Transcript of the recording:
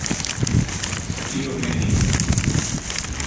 Io veni.